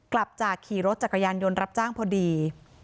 กลับจากขี่รถจักรยานยนต์รับจ้างพอดี